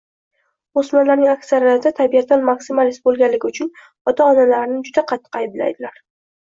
O‘smirlarning aksriyati tabiatan maksimalist bo‘lgani uchun ota-onalarini juda qattiq ayblaydilar.